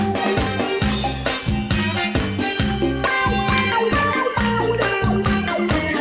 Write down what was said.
มีนิทานนมนานก็เลย